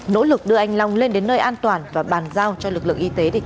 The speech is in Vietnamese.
nỗ lực đưa anh long lên đến nơi an toàn và bàn giao cho lực lượng y tế để chăm sóc